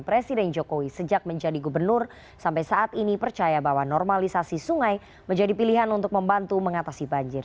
presiden jokowi sejak menjadi gubernur sampai saat ini percaya bahwa normalisasi sungai menjadi pilihan untuk membantu mengatasi banjir